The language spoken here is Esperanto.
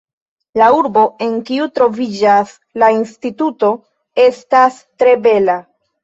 La urbo, en kiu troviĝas la instituto, estas tre bela!